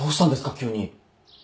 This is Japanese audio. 急に。